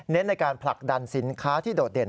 ในการผลักดันสินค้าที่โดดเด่น